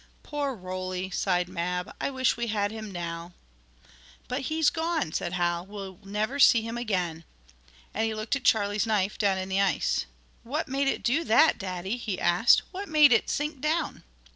"Poor Roly!" sighed Mab. "I wish we had him now!" "But he's gone," said Hal. "Well never see him again," and he looked at Charlie's knife down in the ice. "What made it do that, Daddy?" he asked. "What made it sink down?"